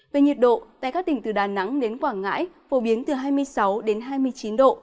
về nhiệt độ tại các tỉnh từ đà nẵng đến quảng ngãi phổ biến từ hai mươi sáu đến hai mươi chín độ